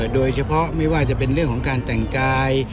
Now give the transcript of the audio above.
โดยเฉพาะไม่ว่าจะเป็นเรื่องของการแต่งกาย